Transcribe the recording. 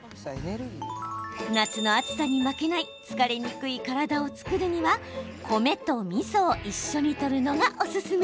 夏の暑さに負けない疲れにくい体を作るには米とみそを一緒にとるのがおすすめ。